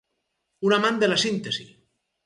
Un amant de la síntesi.